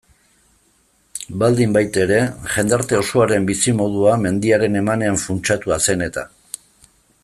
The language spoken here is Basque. Baldinbaitere, jendarte osoaren bizimodua mendiaren emanean funtsatua zen eta.